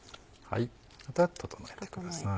あとは整えてください。